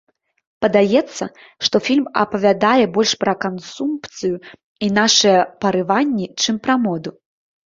Падаецца, што фільм апавядае больш пра кансумпцыю і нашыя парыванні, чым пра моду.